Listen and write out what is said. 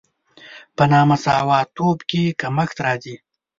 په نامساواتوب کې کمښت راځي.